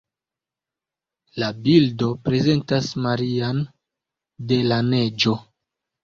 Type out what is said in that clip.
La bildo prezentas Marian de la Neĝo.